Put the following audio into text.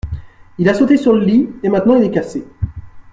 Il a sauté sur le lit et maintenant il est cassé.